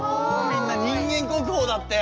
みんな人間国宝だって！